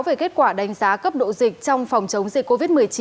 về kết quả đánh giá cấp độ dịch trong phòng chống dịch covid một mươi chín